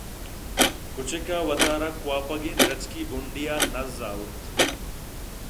کُچک ءَوتارا کوٛاپگیں درٛچکی بُنڈے ءَنزّ آئورت